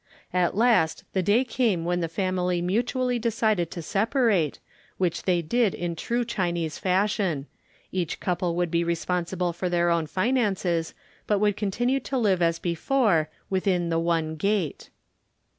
At last the day came when the family mutually decided to separate, which they did in true Chinese fashion—each couple would be responsible for their own finances, but would continue to live as before "within the one gate."